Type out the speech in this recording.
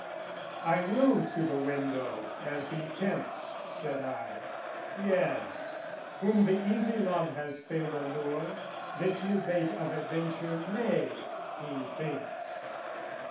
"I will to the window, as he tempts," said I: "Yes, whom the easy love has failed allure, "This new bait of adventure may, he thinks.